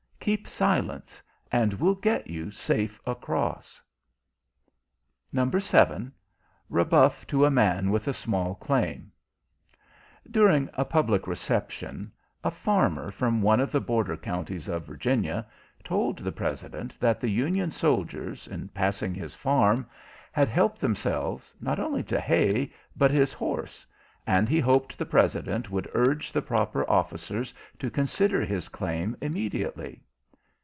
Keep silence, and we'll get you safe across." REBUFF TO A MAN WITH A SMALL CLAIM During a public "reception," a farmer, from one of the border counties of Virginia, told the President that the Union soldiers, in passing his farm, had helped themselves not only to hay, but his horse, and he hoped the President would urge the proper officer to consider his claim immediately.